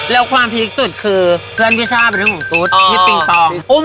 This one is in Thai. แบบว่าเป็นบาร์โฮสผู้ทอม